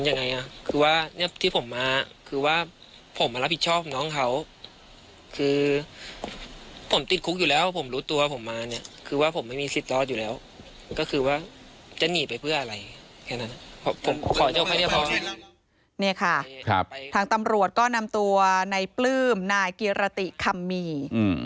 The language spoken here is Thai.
นี่ค่ะทางตำรวจก็นำตัวในปลื้มนายกิรติคำมี